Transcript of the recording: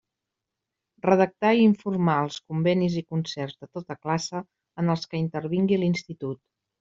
Redactar i informar els convenis i concerts de tota classe en els que intervingui l'Institut.